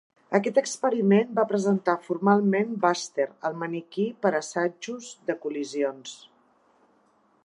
Aquest experiment va presentar formalment Buster, el maniquí per a assajos de col·lisions.